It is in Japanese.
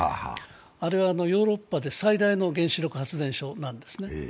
あれはヨーロッパで最大の原子力発電所なんですね。